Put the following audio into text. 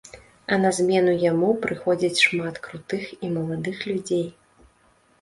А на змену яму прыходзяць шмат крутых і маладых людзей.